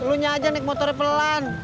lu nya aja naik motornya pelan